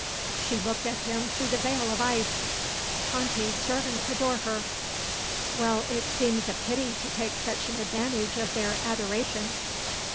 She looked at him through the veil of ice. "Tante's servants adore her." "Well, it seems a pity to take such an advantage of their adoration."